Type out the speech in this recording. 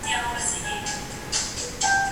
اوس چي پر پردي ولات ښخېږم ته به نه ژاړې